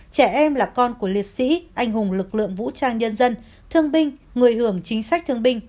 trẻ em là con của liệt sĩ anh hùng lực lượng vũ trang nhân dân thương binh người hưởng chính sách thương binh